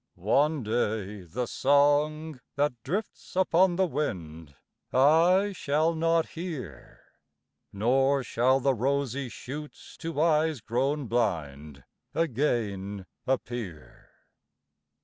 One day the song that drifts upon the wind, I shall not hear; Nor shall the rosy shoots to eyes grown blind Again appear.